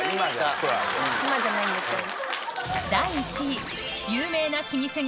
今じゃないんですけど。